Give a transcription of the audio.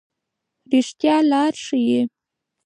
رښتیا لار ښيي.